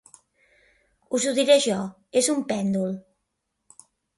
Us ho diré jo: és un pèndol.